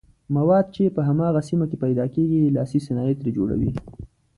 مواد چې په هماغه سیمه کې پیداکیږي لاسي صنایع ترې جوړوي.